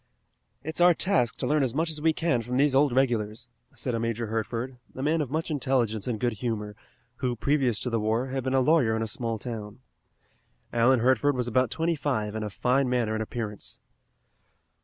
"It's our task to learn as much as we can from these old regulars," said a Major Hertford, a man of much intelligence and good humor, who, previous to the war, had been a lawyer in a small town. Alan Hertford was about twenty five and of fine manner and appearance.